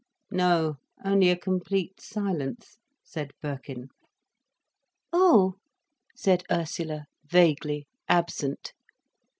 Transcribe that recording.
"No, only a complete silence," said Birkin. "Oh," said Ursula, vaguely, absent.